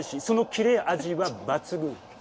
その切れ味は抜群。